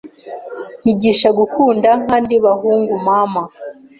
Nyigisha gukunda nkandi bahungu mama